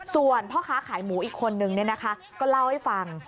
ส่วนพ่อค้าขายหมูอีกคนนึงก็เล่าให้ฟัง